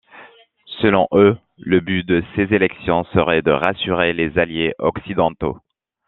Selon eux, le but de ces élections serait de rassurer les alliés occidentaux.